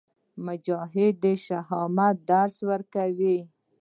مجاهد د شهامت درس ورکوي.